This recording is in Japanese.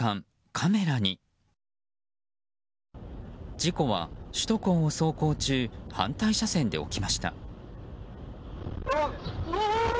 事故は首都高を走行中反対車線で起きました。